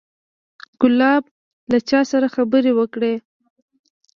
ګلاب له چا سره خبرې وکړې.